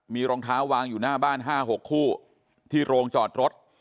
มีรองเท้าวางอยู่หน้าบ้าน๕๖คู่ที่โรงจอดรถ